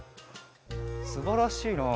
すばらしいな。